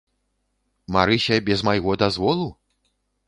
Марыся без майго дазволу?